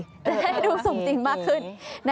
จะได้ดูสมจริงมากขึ้น